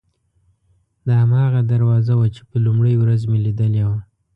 دا هماغه دروازه وه چې په لومړۍ ورځ مې لیدلې وه.